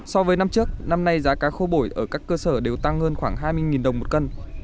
so với năm trước năm nay giá cá khô bổi ở các cơ sở đều tăng hơn khoảng hai mươi đồng một cân